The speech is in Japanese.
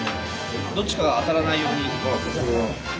どっちかが当たらないように。